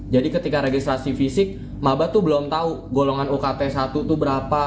jadi ketika registrasi fisik mabat belum tahu golongan ukt satu itu berapa